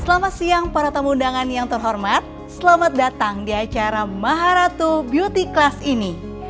selamat siang para tamu undangan yang terhormat selamat datang di acara maharatu beauty class ini